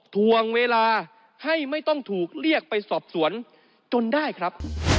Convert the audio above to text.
ทวงเวลาให้ไม่ต้องถูกเรียกไปสอบสวนจนได้ครับ